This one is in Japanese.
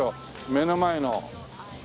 目の前の。